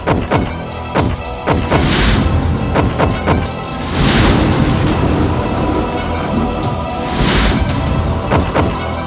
kau tidak sepertinya bisa menembus reveranku itu